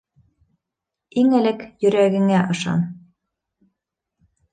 Иң элек йөрәгеңә ышан